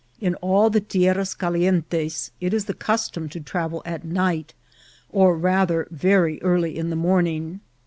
In all the tierras calientes it is the custom to travel at night, or, rather, very early in the morning.